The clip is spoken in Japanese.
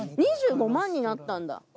２５万になったんだ。